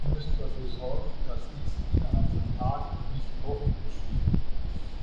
Wir müssen dafür sorgen, dass dies innerhalb von Tagen, nicht Wochen, geschieht.